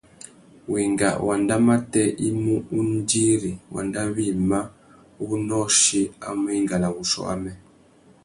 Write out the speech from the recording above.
Wenga wanda matê i mú undiri wanda wïmá uwú nôchï a mú enga na wuchiô amê.